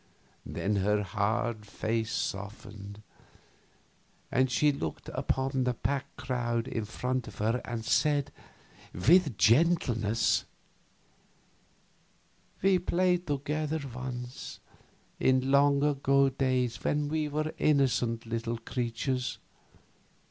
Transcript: Then her hard face softened, and she looked upon the packed crowd in front of her and said, with gentleness: "We played together once, in long agone days when we were innocent little creatures.